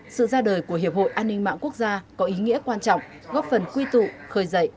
sự ra đời của hiệp hội an ninh mạng quốc gia có ý nghĩa quan trọng góp phần quy tụ khởi dạy